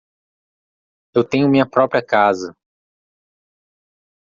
Eu tenho minha própria casa.